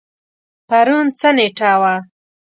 پرون څه نیټه وه؟